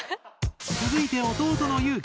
続いて弟の有輝。